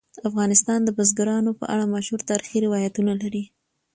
افغانستان د بزګانو په اړه مشهور تاریخی روایتونه لري.